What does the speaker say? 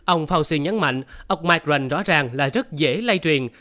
ông fauci nhấn mạnh omicron rõ ràng là rất dễ lây truyền